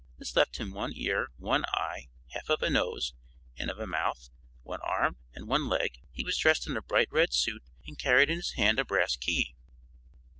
This left him one ear, one eye, half of a nose and of a mouth, one arm and one leg. He was dressed in a bright red suit and carried in his hand a brass key.